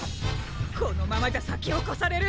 このままじゃさきをこされる！